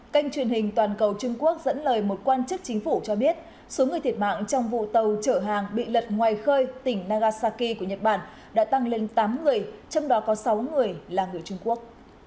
kênh truyền hình toàn cầu trung quốc dẫn lời một quan chức chính phủ cho biết số người thiệt mạng trong vụ tàu trợ hàng bị lật ngoài khơi tỉnh nagasaki của nhật bản đã tăng lên tám người trong đó có sáu người là người trung quốc